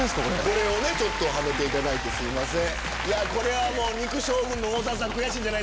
これをねはめていただいてすいません。